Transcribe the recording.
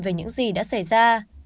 về những gì đã xảy ra